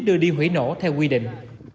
đưa đi hủy nổ theo quy định